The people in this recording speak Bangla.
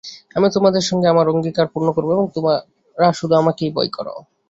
আমিও তোমাদের সঙ্গে আমার অঙ্গীকার পূর্ণ করব এবং তোমরা শুধু আমাকেই ভয় কর।